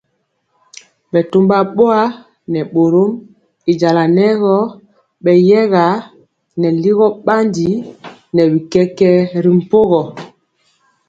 Bɛtɔmba boa nɛ bɔrɔm y jala nɛ gɔ beyɛga nɛ ligɔ bandi nɛ bi kɛkɛɛ ri mpogɔ.